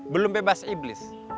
belum bebas iblis